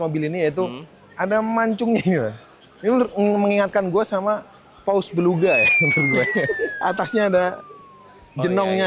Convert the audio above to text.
mobil ini yaitu ada mancungnya ini mengingatkan gue sama paus beluga ya atasnya ada jenongnya